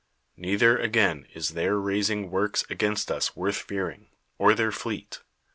Neither, again, is their raising works against us worth fearing, or their fleet.